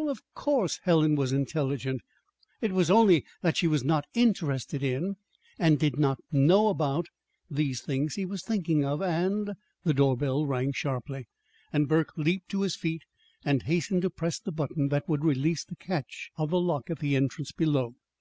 Well, of course Helen was intelligent. It was only that she was not interested in, and did not know about, these things he was thinking of; and The doorbell rang sharply, and Burke leaped to his feet and hastened to press the button that would release the catch of the lock at the entrance below.